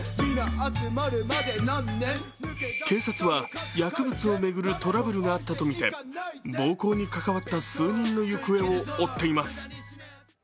警察は薬物を巡るトラブルがあったとみて暴行に関わった数人の行方を追っています。